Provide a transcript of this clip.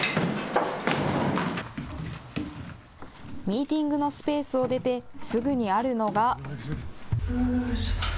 ミーティングのスペースを出てすぐにあるのが。